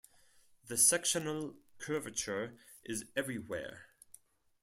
The sectional curvature is everywhere.